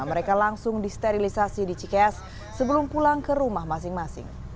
mereka langsung disterilisasi di cikeas sebelum pulang ke rumah masing masing